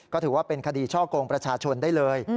ก็ถือว่าเป็นคดีช่อกงประชาชนได้เลย